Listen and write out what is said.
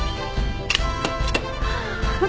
ああ！